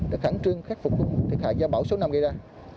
đã khẳng trương khắc phục thực hại do bão số năm gây ra